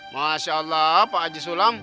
masya allah pak aji sulam